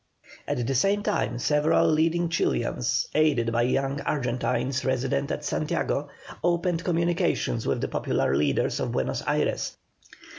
At the same time several leading Chilians, aided by young Argentines resident at Santiago, opened communications with the popular leaders of Buenos Ayres.